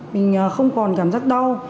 mình không còn cảm giác đau